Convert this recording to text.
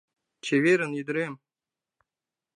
— Чеверын, ӱдырем!